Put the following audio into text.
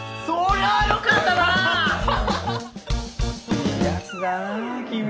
いいやつだなぁ君は。